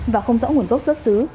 và không rõ nguồn gốc xuất xứ